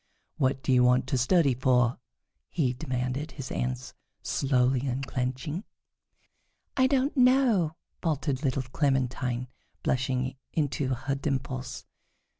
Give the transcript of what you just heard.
"What do you want to study for?" he demanded, his hands slowly unclenching. "I don't know," faltered little Clementine, blushing into her dimples.